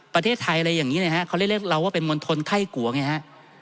ประเทศไทยอะไรอย่างนี้นะฮะเขาเรียกเราว่าเป็นมณฑลไข้กัวไงฮะ